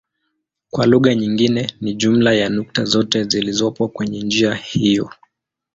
Kwa lugha nyingine ni jumla ya nukta zote zilizopo kwenye njia hiyo.